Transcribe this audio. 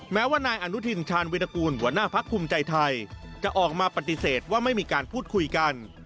แม้ว่านายอนุทินชาญวิรากูลหัวหน้าพักภูมิใจไทยจะออกมาปฏิเสธว่าไม่มีการพูดคุยกัน